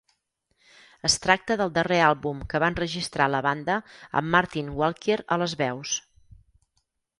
Es tracta del darrer àlbum que va enregistrar la banda amb Martin Walkyier a les veus.